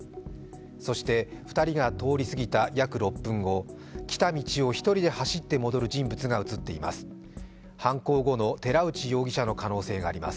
そして２人が通り過ぎた約６分後、来た道を１人で走って戻る人物が映っています。